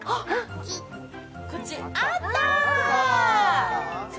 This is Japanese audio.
こっちあった！